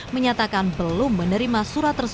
menyatakan belum menerima surat tersebut